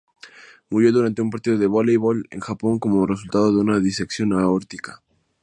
Murió durante un partido de voleibol en Japón como resultado de una disección aórtica.